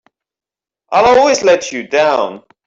I'll always let you down!